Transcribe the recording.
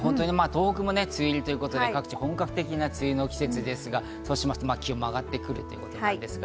東北も梅雨入りということで、各地本格的な梅雨の季節ですが、気温も上がってくるということですね。